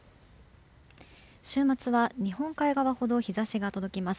週末は日本海側ほど日差しが届きます。